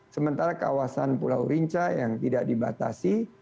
sementara kawasan pulau rinca yang tidak dibatasi